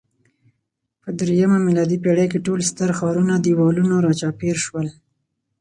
په درېیمه میلادي پېړۍ کې ټول ستر ښارونه دېوالونو راچاپېر شول